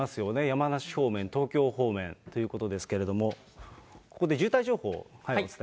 山梨方面、東京方面ということですけれども、ここで渋滞情報をお伝えします。